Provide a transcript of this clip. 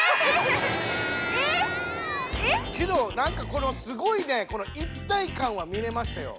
えっ⁉えっ⁉けどなんかこのすごいねこの一体感は見れましたよ。